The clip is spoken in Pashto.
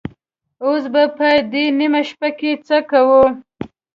اوس به په دې نيمه شپه کې څه کوو؟